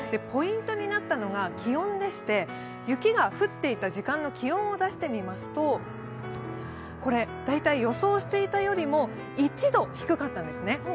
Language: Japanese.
ポイントになったのが気温でして雪が降っていた時間の気温を出してみますと大体予想していたよりも１度低かったんですね。